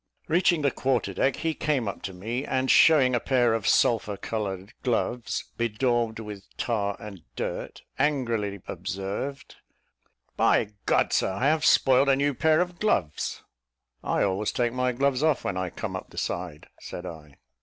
Reaching the quarter deck, he come up to me, and showing a pair of sulphur coloured gloves, bedaubed with tar and dirt, angrily observed, "By G , Sir, I have spoiled a new pair of gloves." "I always take my gloves off when I come up the side," said I.